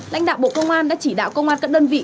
lãnh đạo bộ công an đã chỉ đạo công an các đơn vị